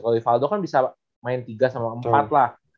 kalau rivaldo kan bisa main tiga sama empat lah